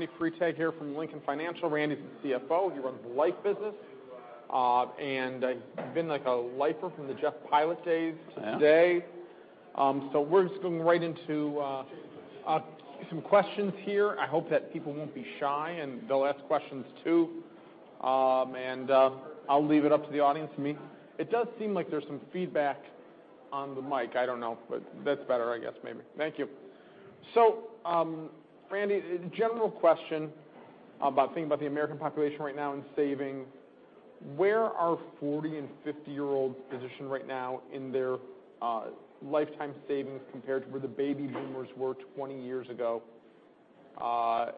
Randy Freitag here from Lincoln Financial. Randy is the CFO. He runs the life business. You've been a lifer from the Jeff Pilot days to today. Yeah. We're just going right into some questions here. I hope that people won't be shy and they'll ask questions too. I'll leave it up to the audience. It does seem like there's some feedback on the mic. I don't know. That's better, I guess, maybe. Thank you. Randy, general question about thinking about the American population right now and saving. Where are 40- and 50-year-olds positioned right now in their lifetime savings compared to where the baby boomers were 20 years ago? I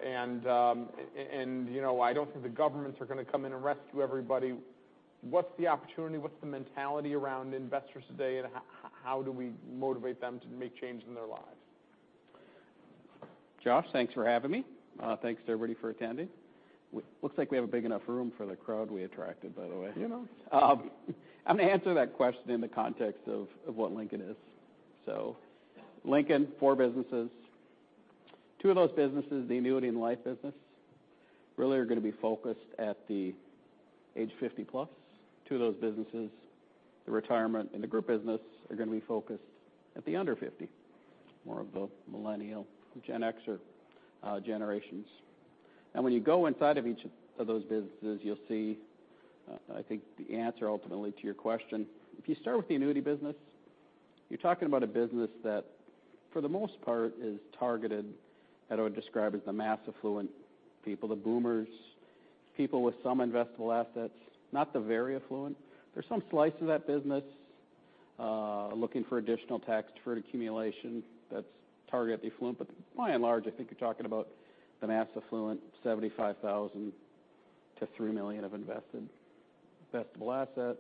don't think the governments are going to come in and rescue everybody. What's the opportunity? What's the mentality around investors today, and how do we motivate them to make changes in their lives? Josh, thanks for having me. Thanks to everybody for attending. Looks like we have a big enough room for the crowd we attracted, by the way. You know. I'm going to answer that question in the context of what Lincoln is. Lincoln, four businesses. Two of those businesses, the annuity and life business, really are going to be focused at the age 50+. Two of those businesses, the retirement and the group business, are going to be focused at the under 50, more of the millennial, Gen X-er generations. When you go inside of each of those businesses, you'll see, I think, the answer ultimately to your question. If you start with the annuity business, you're talking about a business that, for the most part, is targeted at what I would describe as the mass affluent people, the boomers, people with some investable assets, not the very affluent. There's some slice of that business looking for additional tax-deferred accumulation that's target the affluent. By and large, I think you're talking about the mass affluent, $75,000 to $3 million of investable assets,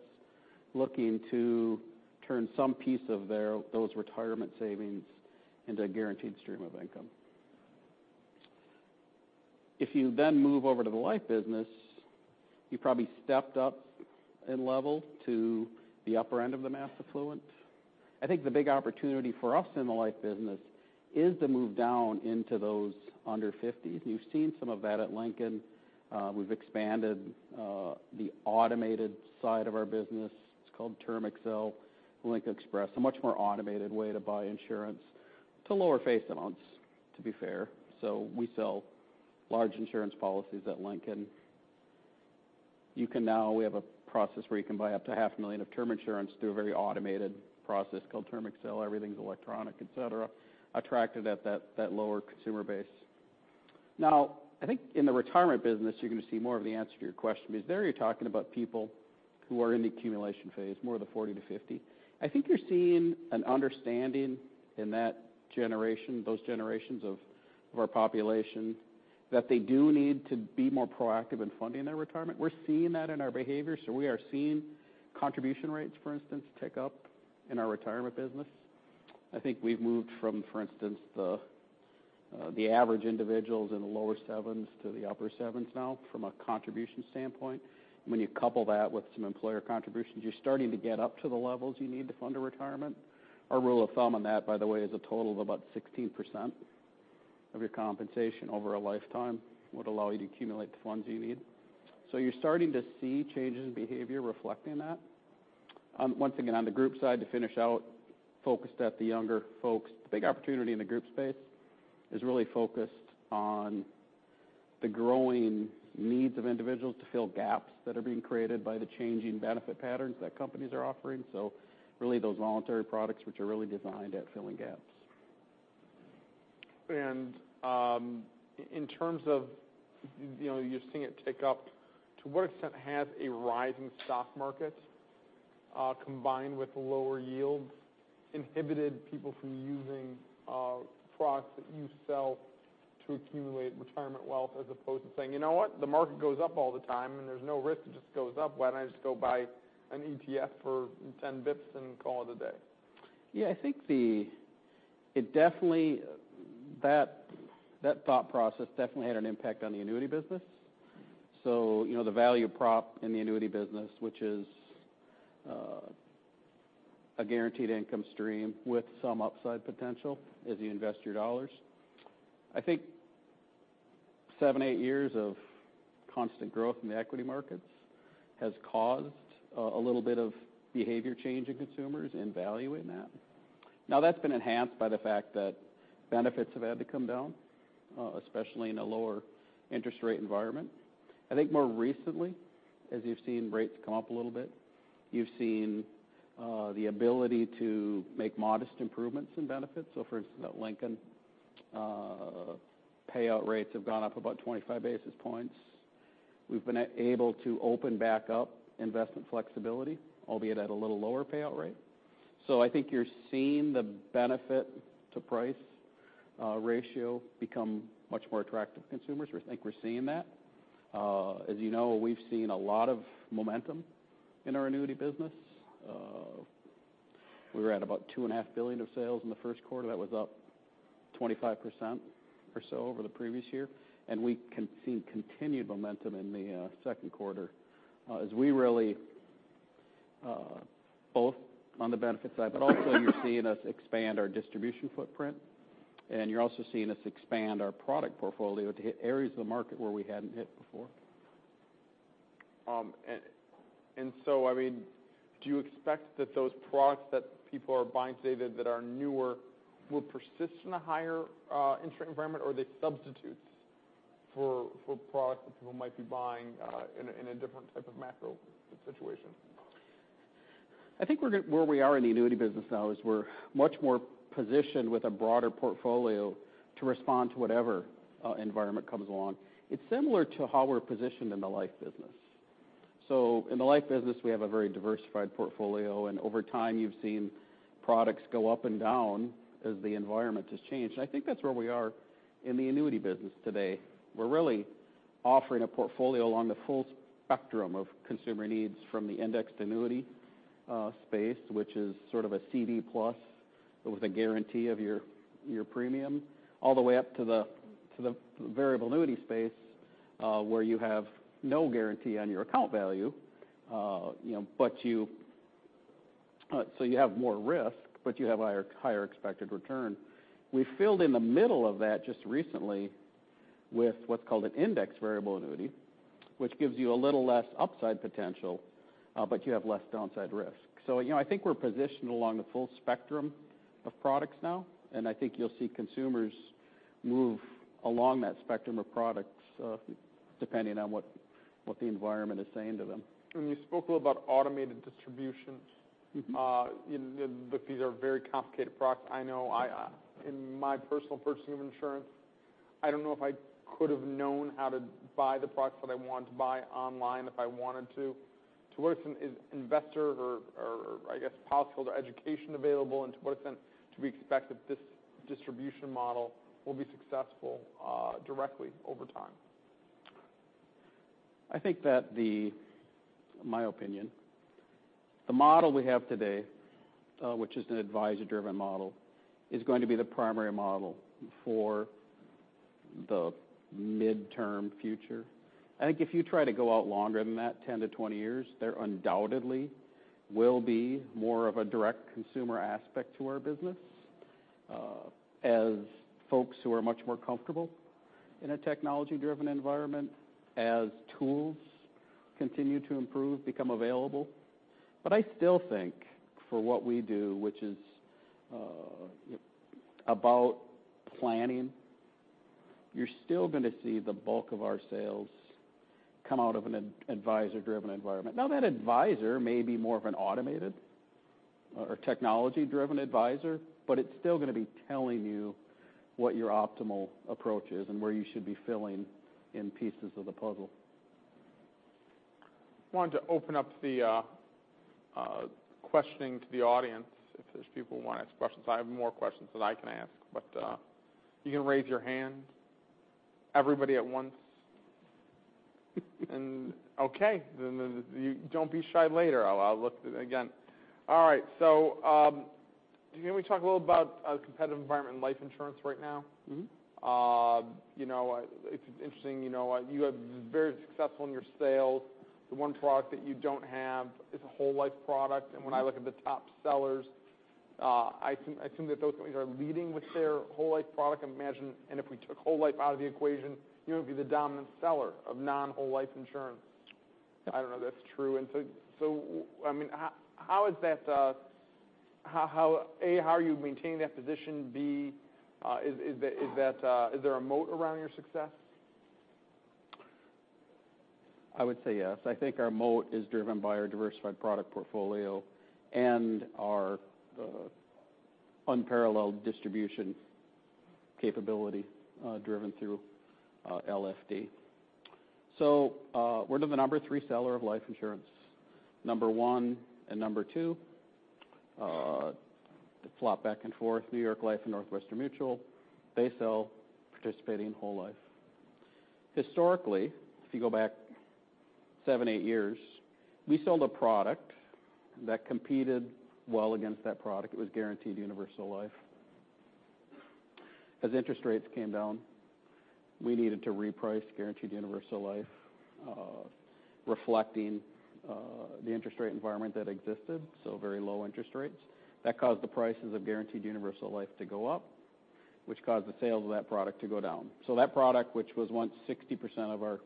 looking to turn some piece of those retirement savings into a guaranteed stream of income. If you move over to the life business, you've probably stepped up in level to the upper end of the mass affluent. I think the big opportunity for us in the life business is to move down into those under 50s. You've seen some of that at Lincoln. We've expanded the automated side of our business. It's called TermAccel, Lincoln Express, a much more automated way to buy insurance to lower face amounts, to be fair. We sell large insurance policies at Lincoln. We have a process where you can buy up to half a million of term insurance through a very automated process called TermAccel. Everything's electronic, et cetera, attracted at that lower consumer base. I think in the retirement business, you're going to see more of the answer to your question because there you're talking about people who are in the accumulation phase, more of the 40-50. I think you're seeing an understanding in those generations of our population that they do need to be more proactive in funding their retirement. We're seeing that in our behavior. We are seeing contribution rates, for instance, tick up in our retirement business. I think we've moved from, for instance, the average individuals in the lower 7s to the upper 7s now from a contribution standpoint. When you couple that with some employer contributions, you're starting to get up to the levels you need to fund a retirement. Our rule of thumb on that, by the way, is a total of about 16% of your compensation over a lifetime would allow you to accumulate the funds you need. You're starting to see changes in behavior reflecting that. Once again, on the group side, to finish out, focused at the younger folks. The big opportunity in the group space is really focused on the growing needs of individuals to fill gaps that are being created by the changing benefit patterns that companies are offering. Really, those voluntary products which are really designed at filling gaps. In terms of you seeing it tick up, to what extent has a rising stock market combined with lower yields inhibited people from using products that you sell to accumulate retirement wealth as opposed to saying, "You know what? The market goes up all the time and there's no risk. It just goes up. Why don't I just go buy an ETF for 10 basis points and call it a day? Yeah. That thought process definitely had an impact on the annuity business. The value prop in the annuity business, which is a guaranteed income stream with some upside potential as you invest your dollars. I think seven, eight years of constant growth in the equity markets has caused a little bit of behavior change in consumers in valuing that. That's been enhanced by the fact that benefits have had to come down, especially in a lower interest rate environment. I think more recently, as you've seen rates come up a little bit, you've seen the ability to make modest improvements in benefits. For instance, at Lincoln, payout rates have gone up about 25 basis points. We've been able to open back up investment flexibility, albeit at a little lower payout rate. I think you're seeing the benefit-to-price ratio become much more attractive to consumers. I think we're seeing that. You know, we've seen a lot of momentum in our annuity business. We were at about $2.5 billion of sales in the first quarter. That was up 25% or so over the previous year. We can see continued momentum in the second quarter, both on the benefit side, but also you're seeing us expand our distribution footprint, and you're also seeing us expand our product portfolio to hit areas of the market where we hadn't hit before. Do you expect that those products that people are buying today that are newer will persist in a higher interest rate environment? Are they substitutes for products that people might be buying in a different type of macro situation? I think where we are in the annuity business now is we're much more positioned with a broader portfolio to respond to whatever environment comes along. It's similar to how we're positioned in the life business. In the life business, we have a very diversified portfolio, and over time you've seen products go up and down as the environment has changed. I think that's where we are in the annuity business today. We're really offering a portfolio along the full spectrum of consumer needs from the indexed annuity space, which is sort of a CD plus, but with a guarantee of your premium, all the way up to the variable annuity space, where you have no guarantee on your account value. You have more risk, but you have a higher expected return. We filled in the middle of that just recently with what's called an index variable annuity, which gives you a little less upside potential, but you have less downside risk. I think we're positioned along the full spectrum of products now, and I think you'll see consumers move along that spectrum of products, depending on what the environment is saying to them. You spoke a little about automated distributions. These are very complicated products. I know in my personal purchasing of insurance, I don't know if I could've known how to buy the products that I wanted to buy online if I wanted to. To what extent is investor or, I guess, policyholder education available, and to what extent should we expect that this distribution model will be successful directly over time? I think that, my opinion, the model we have today, which is an advisor-driven model, is going to be the primary model for the midterm future. I think if you try to go out longer than that, 10-20 years, there undoubtedly will be more of a direct consumer aspect to our business as folks who are much more comfortable in a technology-driven environment, as tools continue to improve, become available. I still think for what we do, which is about planning, you're still going to see the bulk of our sales come out of an advisor-driven environment. That advisor may be more of an automated or technology-driven advisor, but it's still going to be telling you what your optimal approach is and where you should be filling in pieces of the puzzle. I wanted to open up the questioning to the audience if there's people who want to ask questions. I have more questions that I can ask, you can raise your hand. Everybody at once. Okay. Don't be shy later. I'll look again. All right. Can we talk a little about the competitive environment in life insurance right now? It's interesting, you have been very successful in your sales. The one product that you don't have is a whole life product. When I look at the top sellers, I assume that those companies are leading with their whole life product. I imagine, if we took whole life out of the equation, you would be the dominant seller of non-whole life insurance. I don't know if that's true. A, how are you maintaining that position? B, is there a moat around your success? I would say yes. I think our moat is driven by our diversified product portfolio and our unparalleled distribution capability, driven through LFD. We're the number 3 seller of life insurance. Number 1 and number 2, they flop back and forth, New York Life and Northwestern Mutual. They sell participating whole life. Historically, if you go back 7, 8 years, we sold a product that competed well against that product. It was guaranteed universal life. As interest rates came down, we needed to reprice guaranteed universal life, reflecting the interest rate environment that existed, very low interest rates. That caused the prices of guaranteed universal life to go up, which caused the sales of that product to go down. That product, which was once 60% of our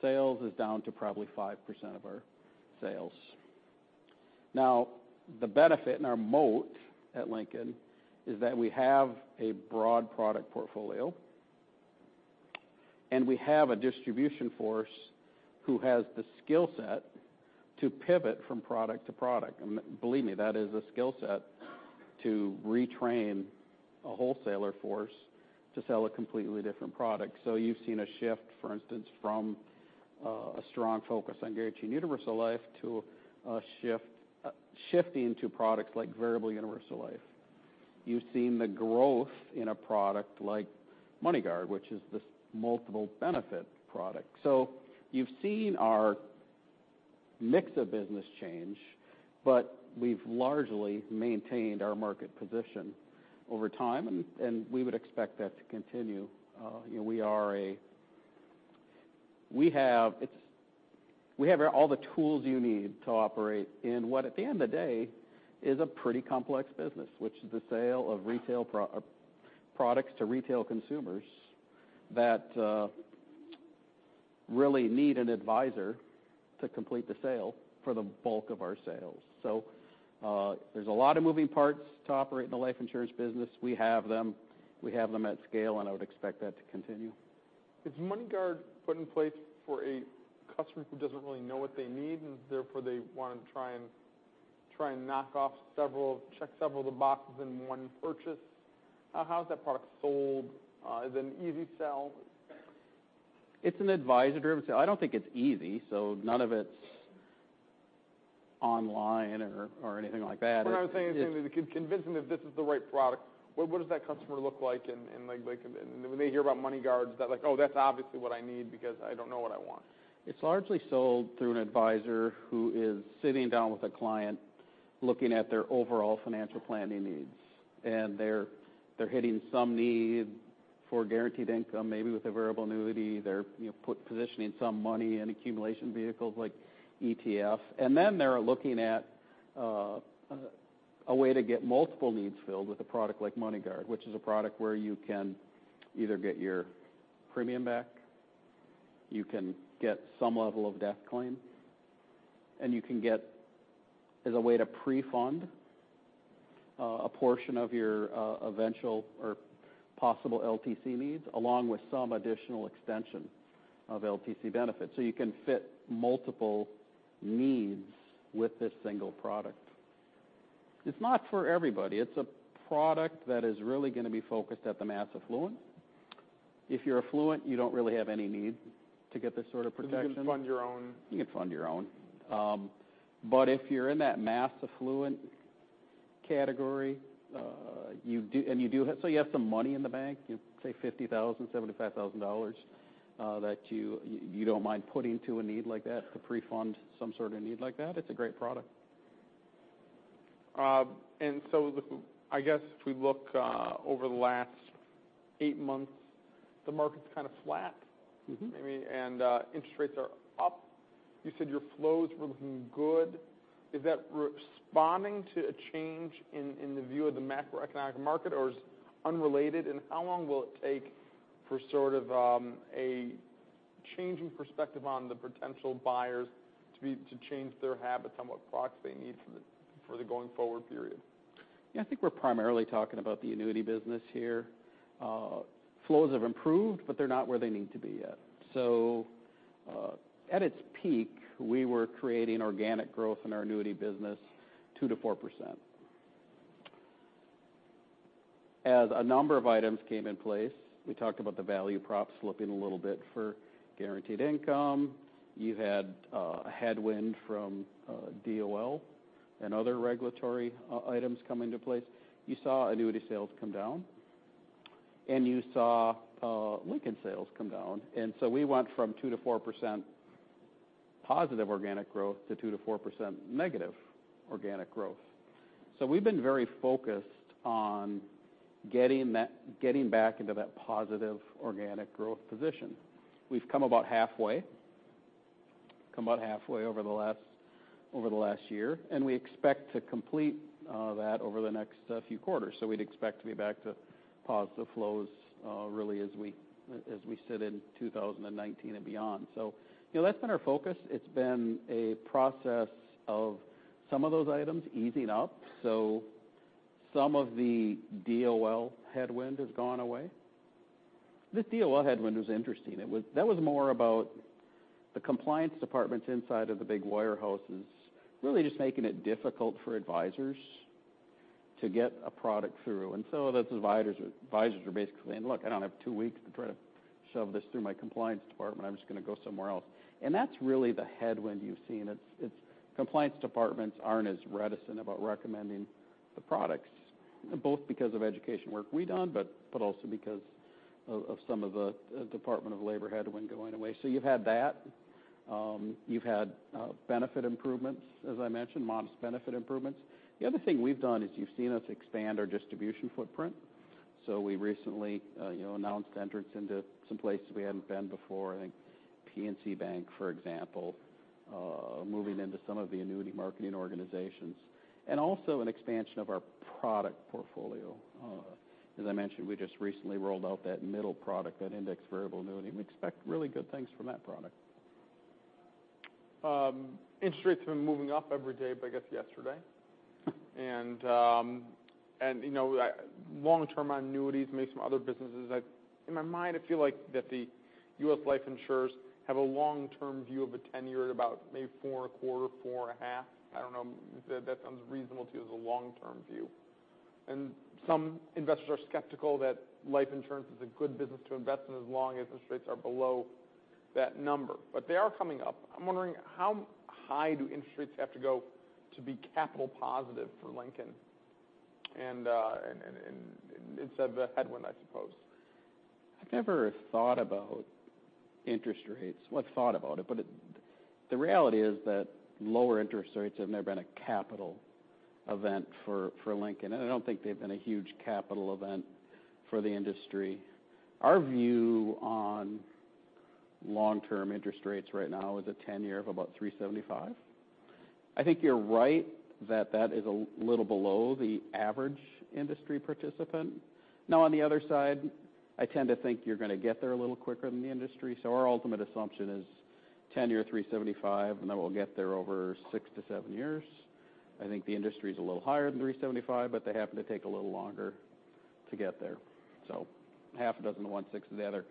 sales, is down to probably 5% of our sales. The benefit and our moat at Lincoln is that we have a broad product portfolio, and we have a distribution force who has the skill set to pivot from product to product. Believe me, that is a skill set to retrain a wholesaler force to sell a completely different product. You've seen a shift, for instance, from a strong focus on guaranteed universal life to a shift into products like variable universal life. You've seen the growth in a product like MoneyGuard, which is this multiple benefit product. You've seen our mix of business change, but we've largely maintained our market position over time, and we would expect that to continue. We have all the tools you need to operate in what, at the end of the day, is a pretty complex business, which is the sale of products to retail consumers that really need an advisor to complete the sale for the bulk of our sales. There's a lot of moving parts to operate in the life insurance business. We have them at scale, and I would expect that to continue. Is MoneyGuard put in place for a customer who doesn't really know what they need, and therefore they want to try and knock off several, check several of the boxes in one purchase? How is that product sold? Is it an easy sell? It's an advisor-driven sale. I don't think it's easy, none of it's online or anything like that. What I'm saying is convincing them this is the right product. What does that customer look like? When they hear about MoneyGuard, is that like, "Oh, that's obviously what I need because I don't know what I want. It's largely sold through an advisor who is sitting down with a client looking at their overall financial planning needs. They're hitting some need for guaranteed income, maybe with a variable annuity. They're positioning some money in accumulation vehicles like ETF. They're looking at a way to get multiple needs filled with a product like MoneyGuard, which is a product where you can either get your premium back, you can get some level of death claim, and you can get as a way to pre-fund a portion of your eventual or possible LTC needs, along with some additional extension of LTC benefits. You can fit multiple needs with this single product. It's not for everybody. It's a product that is really going to be focused at the mass affluent. If you're affluent, you don't really have any need to get this sort of protection. You can fund your own. You can fund your own. If you're in that mass affluent category, you have some money in the bank, say $50,000, $75,000 that you don't mind putting to a need like that to pre-fund some sort of need like that, it's a great product. I guess if we look over the last eight months, the market's kind of flat. Interest rates are up. You said your flows were looking good. Is that responding to a change in the view of the macroeconomic market or is it unrelated? How long will it take for sort of a change in perspective on the potential buyers to change their habits on what products they need for the going forward period? Yeah, I think we're primarily talking about the annuity business here. Flows have improved, but they're not where they need to be yet. At its peak, we were creating organic growth in our annuity business, 2%-4%. As a number of items came in place, we talked about the value prop slipping a little bit for guaranteed income. You had a headwind from DOL and other regulatory items come into place. You saw annuity sales come down, and you saw Lincoln sales come down. We went from 2%-4% positive organic growth to 2%-4% negative organic growth. We've been very focused on getting back into that positive organic growth position. We've come about halfway over the last year, and we expect to complete that over the next few quarters. We'd expect to be back to positive flows really as we sit in 2019 and beyond. That's been our focus. It's been a process of some of those items easing up, some of the DOL headwind has gone away. This DOL headwind was interesting. That was more about the compliance departments inside of the big wirehouses really just making it difficult for advisors to get a product through. Those advisors are basically saying, "Look, I don't have two weeks to try to shove this through my compliance department. I'm just going to go somewhere else." That's really the headwind you've seen. Compliance departments aren't as reticent about recommending the products, both because of education work we've done, but also because of some of the Department of Labor headwind going away. You've had that. You've had benefit improvements, as I mentioned, modest benefit improvements. The other thing we've done is you've seen us expand our distribution footprint. We recently announced entrance into some places we hadn't been before, I think PNC Bank, for example, moving into some of the annuity marketing organizations. Also an expansion of our product portfolio. As I mentioned, we just recently rolled out that middle product, that index variable annuity. We expect really good things from that product. Interest rates have been moving up every day, but I guess yesterday. Long term on annuities, maybe some other businesses, in my mind, I feel like that the U.S. life insurers have a long-term view of a tenure at about maybe four and a quarter, four and a half. I don't know if that sounds reasonable to you as a long-term view. Some investors are skeptical that life insurance is a good business to invest in as long as interest rates are below that number. They are coming up. I'm wondering how high do interest rates have to go to be capital positive for Lincoln? It's a headwind, I suppose. I've never thought about interest rates. Well, I've thought about it, but the reality is that lower interest rates have never been a capital event for Lincoln. I don't think they've been a huge capital event for the industry. Our view on long-term interest rates right now is a 10-year of about 375. I think you're right that is a little below the average industry participant. On the other side, I tend to think you're going to get there a little quicker than the industry. Our ultimate assumption is 10-year 375. Then we'll get there over six to seven years. I think the industry is a little higher than 375, they happen to take a little longer to get there. Half a dozen to one, six of the other.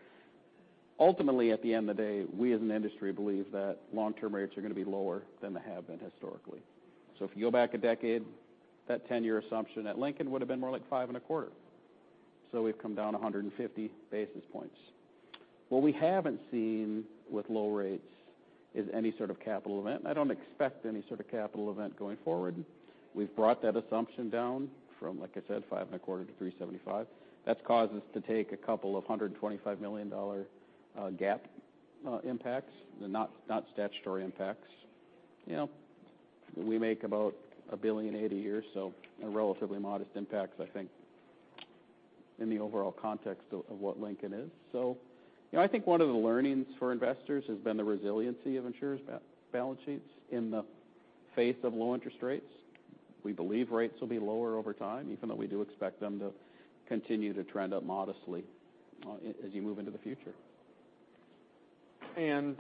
Ultimately, at the end of the day, we, as an industry, believe that long-term rates are going to be lower than they have been historically. If you go back a decade, that 10-year assumption at Lincoln would've been more like five and a quarter. We've come down 150 basis points. What we haven't seen with low rates is any sort of capital event. I don't expect any sort of capital event going forward. We've brought that assumption down from, like I said, five and a quarter to 375. That's caused us to take a couple of $125 million GAAP impacts. They're not statutory impacts. We make about $1.8 billion a year, so relatively modest impacts, I think, in the overall context of what Lincoln is. I think one of the learnings for investors has been the resiliency of insurers' balance sheets in the face of low interest rates. We believe rates will be lower over time, even though we do expect them to continue to trend up modestly as you move into the future. In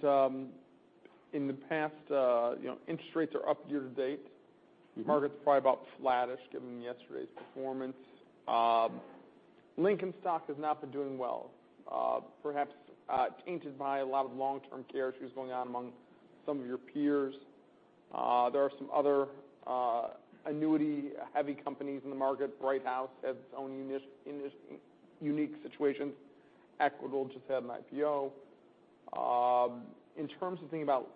the past, interest rates are up year-to-date. Market's probably about flattish given yesterday's performance. Lincoln stock has not been doing well, perhaps tainted by a lot of long-term care issues going on among some of your peers. There are some other annuity-heavy companies in the market. Brighthouse has its own unique situations. Equitable just had an IPO. In terms of thinking about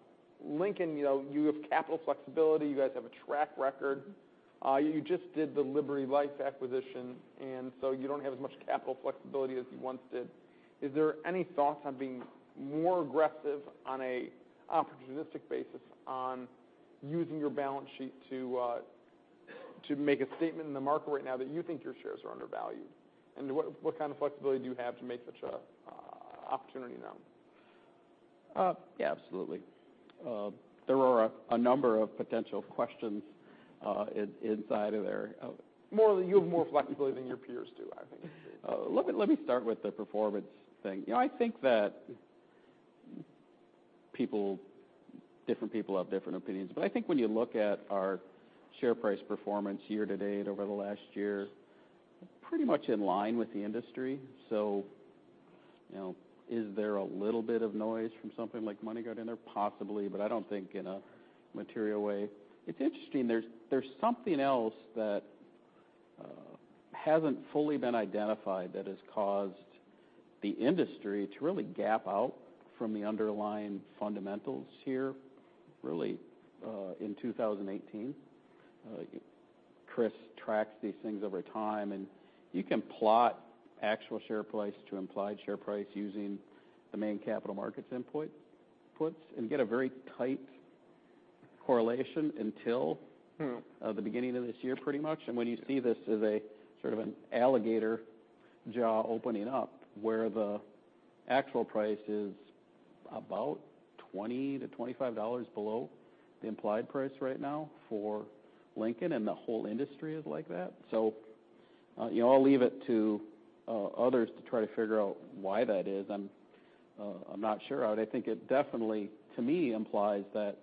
Lincoln, you have capital flexibility. You guys have a track record. You just did the Liberty Life acquisition, you don't have as much capital flexibility as you once did. Is there any thoughts on being more aggressive on a opportunistic basis on using your balance sheet to make a statement in the market right now that you think your shares are undervalued? What kind of flexibility do you have to make such an opportunity now? Yeah, absolutely. There are a number of potential questions inside of there. More that you have more flexibility than your peers do, I think. Let me start with the performance thing. I think that different people have different opinions, but I think when you look at our share price performance year-to-date over the last year, pretty much in line with the industry. Is there a little bit of noise from something like MoneyGuard in there? Possibly, but I don't think in a material way. It's interesting. There's something else that hasn't fully been identified that has caused the industry to really gap out from the underlying fundamentals here, really, in 2018. Chris tracks these things over time, and you can plot actual share price to implied share price using the main capital markets inputs and get a very tight correlation until- the beginning of this year pretty much. When you see this as a sort of an alligator jaw opening up, where the actual price is about $20-$25 below the implied price right now for Lincoln, the whole industry is like that. I'll leave it to others to try to figure out why that is. I'm not sure. I think it definitely, to me, implies that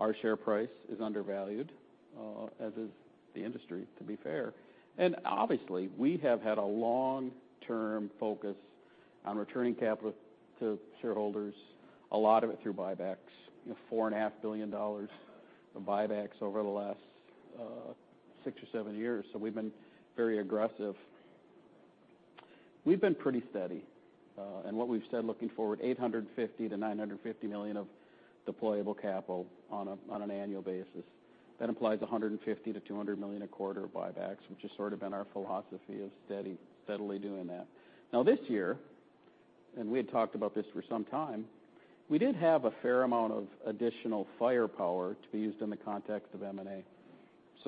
our share price is undervalued, as is the industry, to be fair. Obviously, we have had a long-term focus on returning capital to shareholders, a lot of it through buybacks. Four and a half billion dollars of buybacks over the last six or seven years, we've been very aggressive. We've been pretty steady. What we've said looking forward, $850 million-$950 million of deployable capital on an annual basis. That implies $150 million-$200 million a quarter of buybacks, which has sort of been our philosophy of steadily doing that. This year, and we had talked about this for some time, we did have a fair amount of additional firepower to be used in the context of M&A.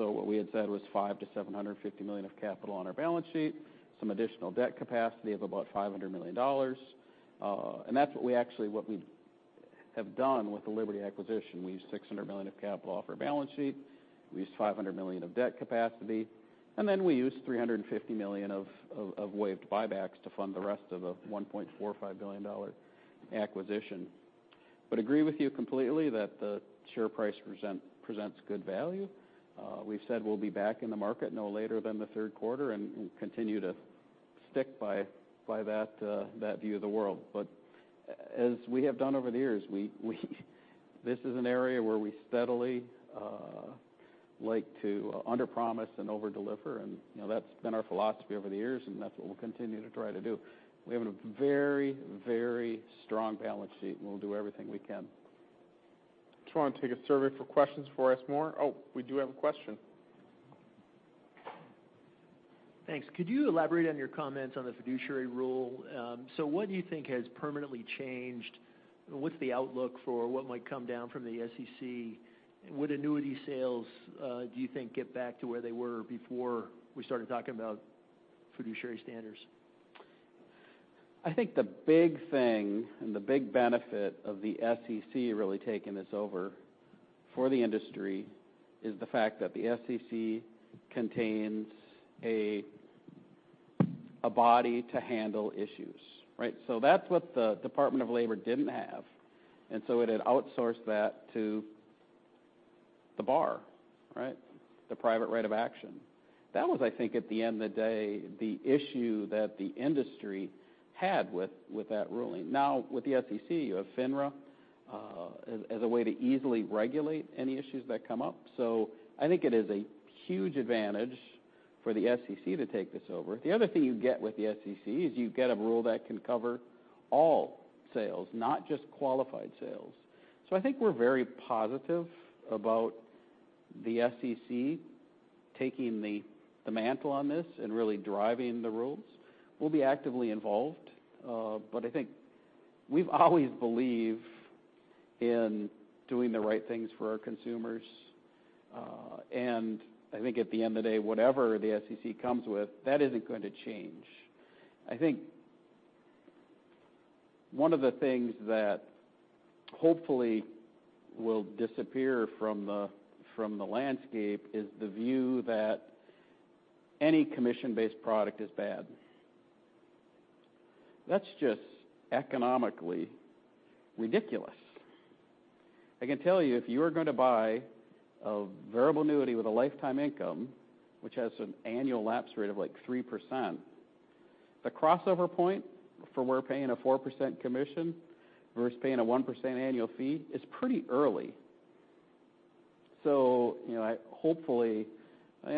What we had said was $500 million-$750 million of capital on our balance sheet, some additional debt capacity of about $500 million. That's what we actually have done with the Liberty acquisition. We used $600 million of capital off our balance sheet. We used $500 million of debt capacity, and then we used $350 million of waived buybacks to fund the rest of a $1.45 billion acquisition. Agree with you completely that the share price presents good value. We've said we'll be back in the market no later than the third quarter and continue to stick by that view of the world. As we have done over the years, this is an area where we steadily like to underpromise and overdeliver, and that's been our philosophy over the years, and that's what we'll continue to try to do. We have a very strong balance sheet, and we'll do everything we can. Just want to take a survey for questions before I ask more. We do have a question. Thanks. Could you elaborate on your comments on the Fiduciary Rule? What do you think has permanently changed? What's the outlook for what might come down from the SEC? Would annuity sales, do you think, get back to where they were before we started talking about fiduciary standards? I think the big thing and the big benefit of the SEC really taking this over for the industry is the fact that the SEC contains a body to handle issues, right? That's what the Department of Labor didn't have, and so it had outsourced that to the bar, right? The private right of action. That was, I think, at the end of the day, the issue that the industry had with that ruling. With the SEC, you have FINRA, as a way to easily regulate any issues that come up. I think it is a huge advantage for the SEC to take this over. The other thing you get with the SEC is you get a rule that can cover all sales, not just qualified sales. I think we're very positive about the SEC taking the mantle on this and really driving the rules. We'll be actively involved, but I think we've always believed in doing the right things for our consumers. I think at the end of the day, whatever the SEC comes with, that isn't going to change. One of the things that hopefully will disappear from the landscape is the view that any commission-based product is bad. That's just economically ridiculous. I can tell you, if you are going to buy a variable annuity with a lifetime income, which has an annual lapse rate of 3%, the crossover point for we're paying a 4% commission versus paying a 1% annual fee is pretty early.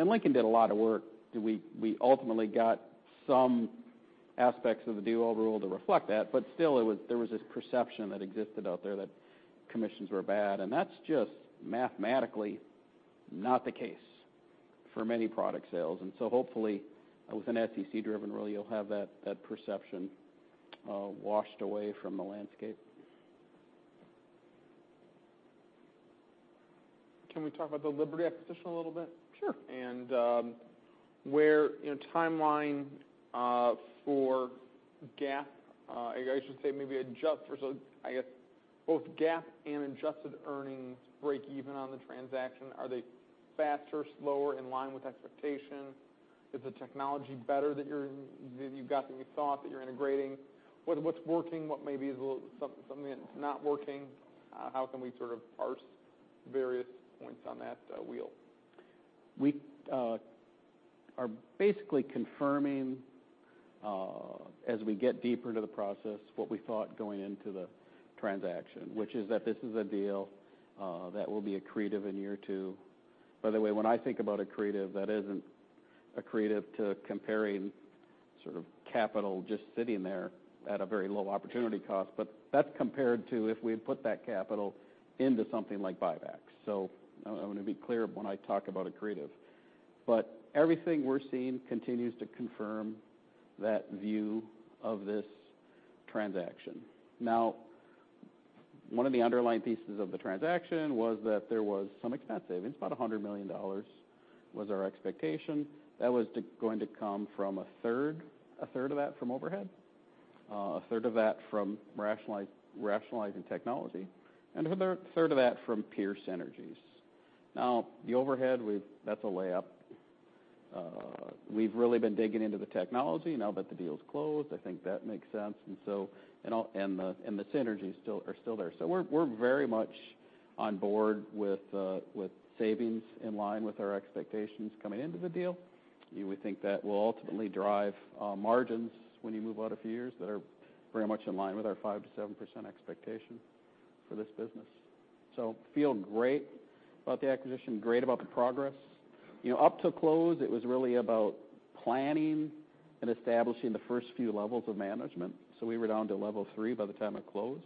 Lincoln did a lot of work. We ultimately got some aspects of the DOL rule to reflect that. Still, there was this perception that existed out there that commissions were bad, and that's just mathematically not the case for many product sales. Hopefully with an SEC-driven rule, you'll have that perception washed away from the landscape. Can we talk about the Liberty acquisition a little bit? Sure. Where in timeline for both GAAP and adjusted earnings break even on the transaction. Are they faster, slower, in line with expectation? Is the technology better that you've got than you thought, that you're integrating? What's working? What maybe is something that's not working? How can we sort of parse various points on that wheel? We are basically confirming, as we get deeper into the process, what we thought going into the transaction, which is that this is a deal that will be accretive in year two. When I think about accretive, that isn't accretive to comparing capital just sitting there at a very low opportunity cost. That's compared to if we had put that capital into something like buybacks. I want to be clear when I talk about accretive. Everything we're seeing continues to confirm that view of this transaction. One of the underlying pieces of the transaction was that there was some expense savings. About $100 million was our expectation. That was going to come from a third of that from overhead, a third of that from rationalizing technology, and another third of that from pure synergies. The overhead, that's a layup. We've really been digging into the technology now that the deal's closed. I think that makes sense. The synergies are still there. We're very much on board with savings in line with our expectations coming into the deal. We think that will ultimately drive margins when you move out a few years that are very much in line with our 5%-7% expectation for this business. Feel great about the acquisition, great about the progress. Up to close, it was really about planning and establishing the first few levels of management. We were down to level 3 by the time it closed.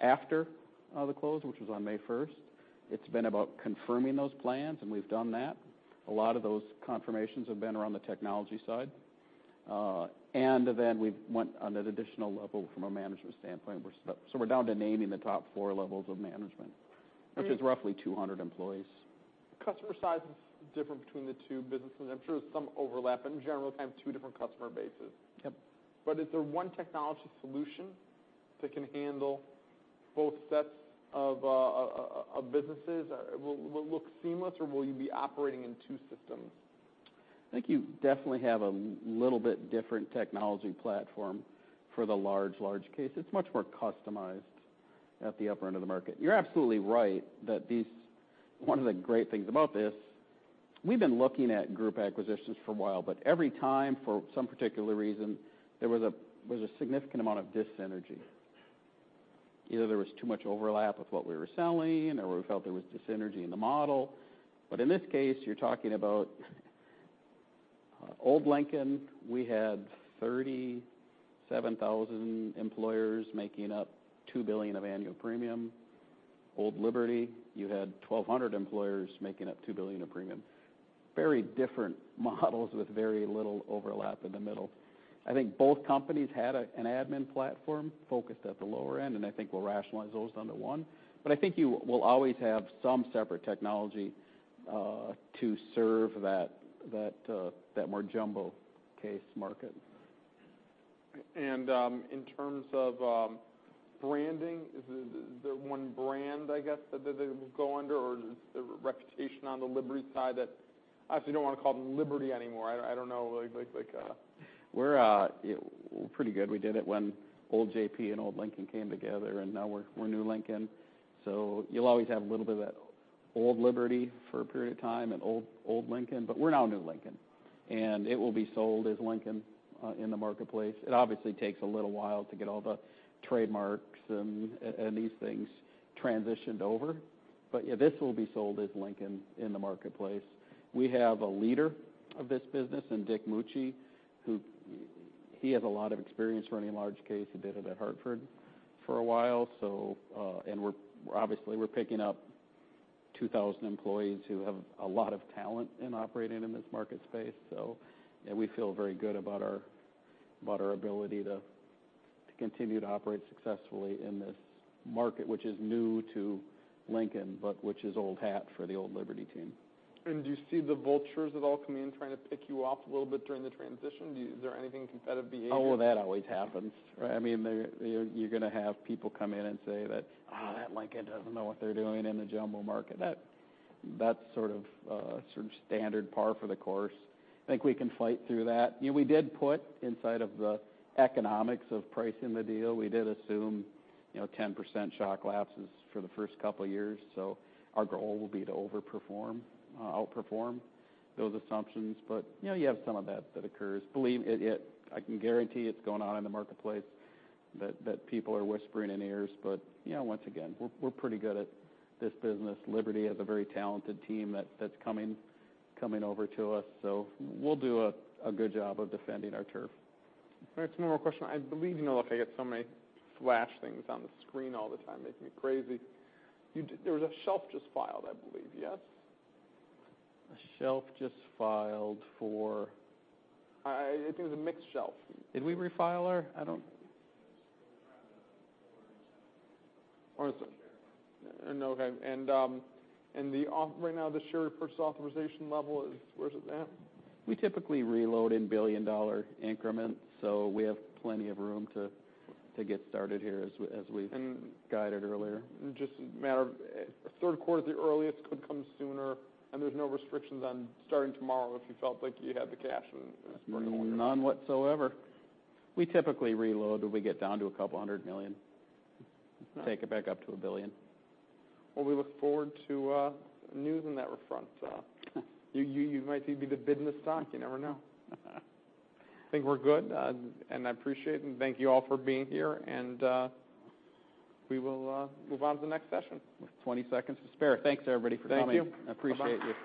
After the close, which was on May 1st, it's been about confirming those plans, and we've done that. A lot of those confirmations have been around the technology side. Then we went on an additional level from a management standpoint. We're down to naming the top 4 levels of management, which is roughly 200 employees. Customer size is different between the two businesses. I'm sure there's some overlap. In general, kind of two different customer bases. Yep. Is there one technology solution that can handle both sets of businesses? Will it look seamless, or will you be operating in two systems? I think you definitely have a little bit different technology platform for the large case. It's much more customized at the upper end of the market. You're absolutely right that one of the great things about this, we've been looking at group acquisitions for a while, every time, for some particular reason, there was a significant amount of dissynergy. Either there was too much overlap with what we were selling, or we felt there was dissynergy in the model. In this case, you're talking about Old Lincoln, we had 37,000 employers making up $2 billion of annual premium Old Liberty, you had 1,200 employers making up $2 billion of premium. Very different models with very little overlap in the middle. I think both companies had an admin platform focused at the lower end, and I think we'll rationalize those down to one. I think you will always have some separate technology to serve that more jumbo case market. In terms of branding, is there one brand, I guess, that they will go under, or is the reputation on the Liberty side that obviously don't want to call them Liberty anymore? I don't know. We're pretty good. We did it when old Jefferson-Pilot and old Lincoln came together, and now we're new Lincoln. You'll always have a little bit of that old Liberty for a period of time and old Lincoln, but we're now new Lincoln, and it will be sold as Lincoln in the marketplace. It obviously takes a little while to get all the trademarks and these things transitioned over, but this will be sold as Lincoln in the marketplace. We have a leader of this business in Dick Mucci, who has a lot of experience running large case. He did it at The Hartford for a while. Obviously we're picking up 2,000 employees who have a lot of talent in operating in this market space. Yeah, we feel very good about our ability to continue to operate successfully in this market, which is new to Lincoln, but which is old hat for the old Liberty team. Do you see the vultures at all coming in trying to pick you off a little bit during the transition? Is there anything competitive behavior? That always happens, right? You're going to have people come in and say that, "That Lincoln doesn't know what they're doing in the jumbo market." That's sort of standard par for the course. I think we can fight through that. We did put inside of the economics of pricing the deal, we did assume 10% shock lapses for the first couple of years. Our goal will be to overperform, outperform those assumptions. You have some of that that occurs. Believe it, I can guarantee it's going on in the marketplace, that people are whispering in ears, but once again, we're pretty good at this business. Liberty has a very talented team that's coming over to us. We'll do a good job of defending our turf. All right, two more questions. I believe you know, if I get so many flash things on the screen all the time, makes me crazy. There was a shelf just filed, I believe, yes? A shelf just filed for? I think it was a mixed shelf. Did we refile our, I don't. No. Okay. Right now, the share reauthorization level is, where's it at? We typically reload in billion-dollar increments, so we have plenty of room to get started here as we guided earlier. Just a matter of third quarter at the earliest, could come sooner, and there's no restrictions on starting tomorrow if you felt like you had the cash and burning a hole in it. None whatsoever. We typically reload when we get down to a couple of hundred million, take it back up to a billion. Well, we look forward to news on that front. You might even be the bid in the stock, you never know. I think we're good, I appreciate and thank you all for being here, we will move on to the next session. With 20 seconds to spare. Thanks everybody for coming. Thank you. Appreciate you.